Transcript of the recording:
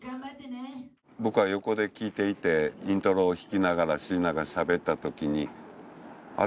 僕は横で聞いていてイントロを弾きながらシーナがしゃべった時にあれ？